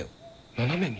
斜めに？